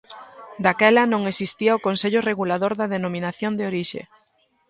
Daquela non existía o Consello Regulador da Denominación de Orixe.